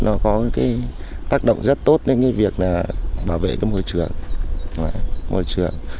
nó có cái tác động rất tốt đến cái việc là bảo vệ cái môi trường